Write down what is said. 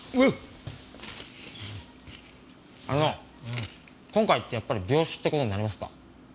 あの今回ってやっぱり病死って事になりますか？